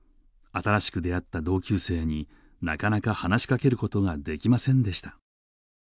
新しく出会った同級生になかなか話しかけることができませんでした。